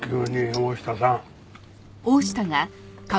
大下さん。